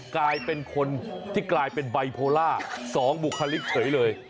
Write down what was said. กลายเป็นคนที่กลายเป็นไบโพล่า๒บุคลิกเฉยเลย